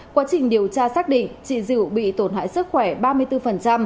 quá trình điều tra xác định chị diệu bị tổn hại sức khỏe ba mươi bốn